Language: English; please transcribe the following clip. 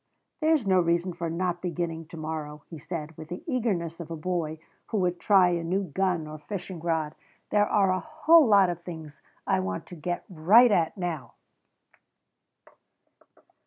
"There's no reason for not beginning to morrow," he said, with the eagerness of a boy who would try a new gun or fishing rod. "There are a whole lot of things I want to get right at now."